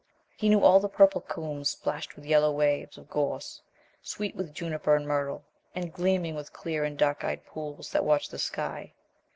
He knew all the purple coombs splashed with yellow waves of gorse; sweet with juniper and myrtle, and gleaming with clear and dark eyed pools that watched the sky.